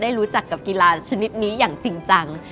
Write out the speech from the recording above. รู้จักกับกีฬาชนิดนี้อย่างจริงจัง